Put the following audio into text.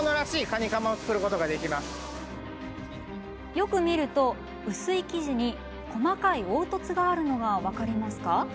よく見ると薄い生地に細かい凹凸があるのが分かりますか？